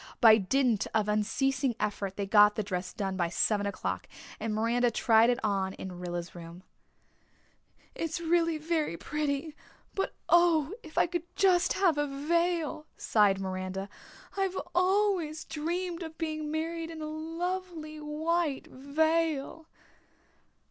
By dint of unceasing effort they got the dress done by seven o'clock and Miranda tried it on in Rilla's room. "It's very pretty but oh, if I could just have a veil," sighed Miranda. "I've always dreamed of being married in a lovely white veil."